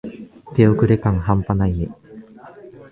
手遅れ感はんぱないね。